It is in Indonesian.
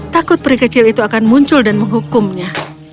takut pri kecil itu akan muncul dan menghukumnya